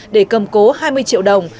để cầm cố hai mươi triệu đồng